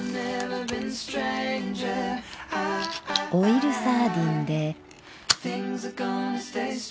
オイルサーディンで。